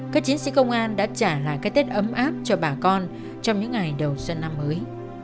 các chiến sĩ công an đã trả lại cái tết ấm áp cho bà con trong những ngày đầu xuân năm mới